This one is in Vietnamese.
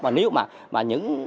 mà nếu mà những